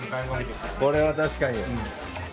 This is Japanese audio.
これは確かに。